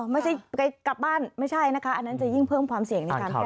ไม่ใช่กลับบ้านอันนั้นจะยิ่งเพิ่มความเสี่ยงในความแพร่อร่วม